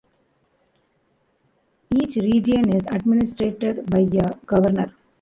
Each region is administered by a Governor.